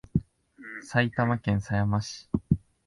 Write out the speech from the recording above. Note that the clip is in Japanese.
埼玉県狭山市